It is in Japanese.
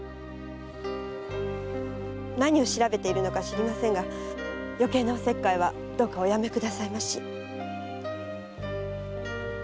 何を調べているのか知りませんが余計なお節介はどうかおやめくださいまし。